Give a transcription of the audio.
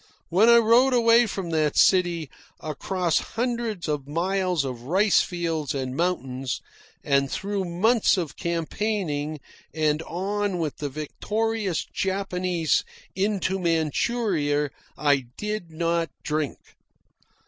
When I rode away from that city, across hundreds of miles of rice fields and mountains, and through months of campaigning, and on with the victorious Japanese into Manchuria, I did not drink.